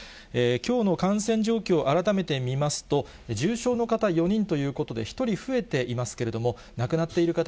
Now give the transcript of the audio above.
きょうの感染状況、改めて見ますと、重症の方４人ということで、１人増えていますけれども、亡くなっている方